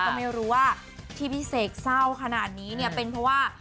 ก็ไม่รู้ว่าที่พี่เสกเศร้าขนาดนี้เนี่ยเป็นเพราะว่า